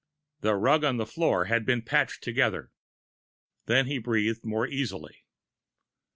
The rug on the floor had been patched together. Then he breathed more easily.